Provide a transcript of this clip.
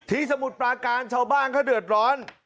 สมุทรปราการชาวบ้านเขาเดือดร้อน